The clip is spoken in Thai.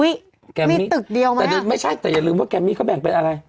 แกมมี่ตึกเดียวนะแต่ไม่ใช่แต่อย่าลืมว่าแกมมี่เขาแบ่งเป็นอะไร